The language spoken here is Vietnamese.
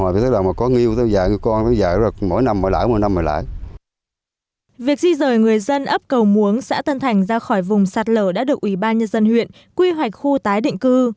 việc di rời người dân ấp cầu muống xã tân thành ra khỏi vùng sạt lở đã được ủy ban nhân dân huyện quy hoạch khu tái định cư